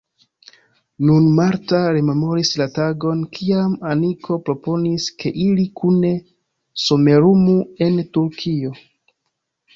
Nun Marta rememoris la tagon, kiam Aniko proponis, ke ili kune somerumu en Turkio.